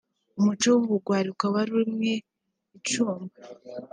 umuco w’ubugwari ukaba warimwe icumbi